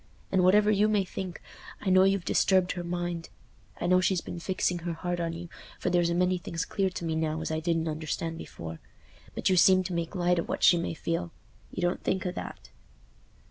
And whatever you may think, I know you've disturbed her mind. I know she's been fixing her heart on you, for there's a many things clear to me now as I didn't understand before. But you seem to make light o' what she may feel—you don't think o' that."